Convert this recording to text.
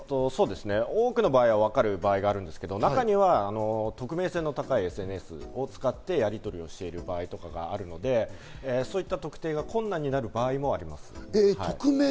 多くの場合は分かる場合がありますが、中には匿名性の高いＳＮＳを使ってやりとりをしている場合とかがあるので、そういった特定が困難になる場合もあります。